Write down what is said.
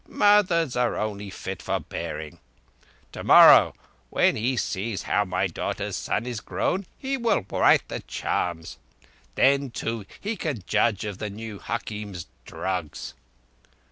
Mothers are only fit for bearing.) Tomorrow, when he sees how my daughter's son is grown, he will write the charm. Then, too, he can judge of the new hakim's drugs."